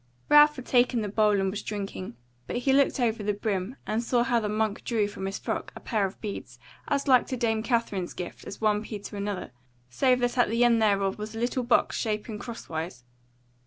Ralph had taken the bowl and was drinking, but he looked over the brim, and saw how the monk drew from his frock a pair of beads, as like to Dame Katherine's gift as one pea to another, save that at the end thereof was a little box shapen crosswise.